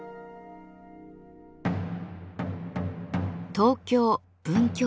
東京・文京区